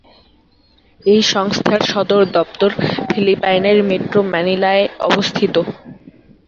এই সংস্থার সদর দপ্তর ফিলিপাইনের মেট্রো ম্যানিলায় অবস্থিত।